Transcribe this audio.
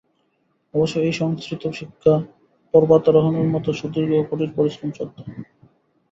অবশ্য এই সংস্কৃত শিক্ষা পর্বতারোহণের মত সুদীর্ঘ ও কঠোর পরিশ্রমসাধ্য।